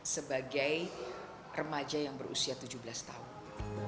sebagai remaja yang berusia tujuh belas tahun